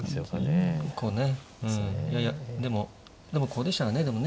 うんいやいやでもでもここでしたかねでもね。